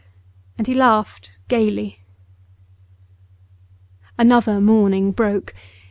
And he laughed gaily. Another morning broke.